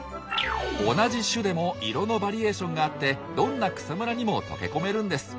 同じ種でも色のバリエーションがあってどんな草むらにも溶け込めるんです。